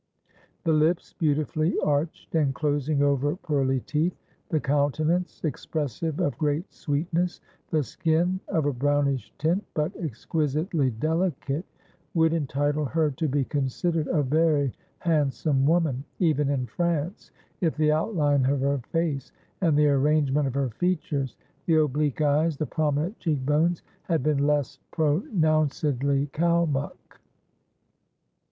The lips, beautifully arched and closing over pearly teeth; the countenance, expressive of great sweetness; the skin, of a brownish tint, but exquisitely delicate, would entitle her to be considered a very handsome woman, even in France, if the outline of her face and the arrangement of her features the oblique eyes, the prominent cheek bones had been less pronouncedly Kalmuk.